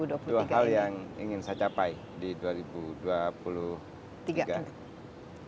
dua hal yang ingin saya capai di dua ribu dua puluh tiga